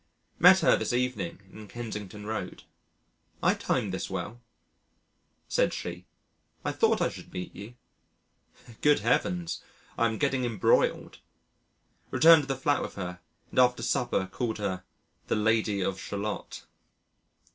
Met her this evening in Kensington Road. "I timed this well," said she, "I thought I should meet you." Good Heavens, I am getting embroiled. Returned to the flat with her and after supper called her "The Lady of Shalott."